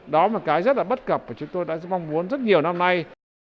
đó là cái rất là bất cập mà chúng tôi đã mong muốn rất nhiều năm nay